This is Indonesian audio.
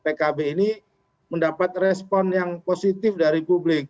pertemuan antara gerindra dengan pkb ini mendapat respon yang positif dari publik